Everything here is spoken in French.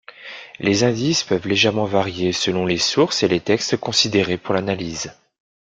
Les indices peuvent légèrement varier selon les sources et les textes considérés pour l'analyse.